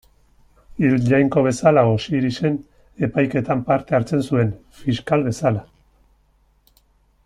Hil jainko bezala, Osirisen epaiketan parte hartzen zuen, fiskal bezala.